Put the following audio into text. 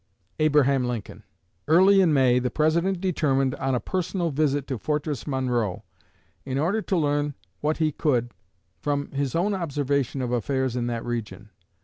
ABRAHAM LINCOLN. Early in May the President determined on a personal visit to Fortress Monroe, in order to learn what he could from his own observation of affairs in that region.